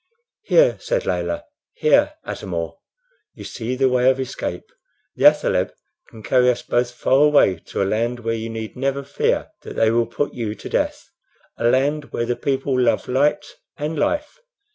"Here," said Layelah "here, Atam or, you see the way of escape. The athaleb can carry us both far away to a land where you need never fear that they will put you to death a land where the people love light and life.